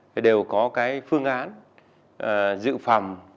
thì đều có cái phương án dự phẩm